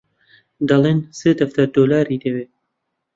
دەڵێن سێ دەفتەر دۆلاری دەوێ